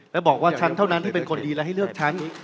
และบอกว่าฉันเท่านั้นที่เป็นคนดีและให้เลือกฉัน